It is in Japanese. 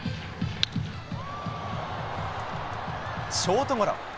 ショートゴロ。